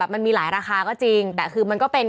มันมีหลายราคาก็จริงแต่คือมันก็เป็น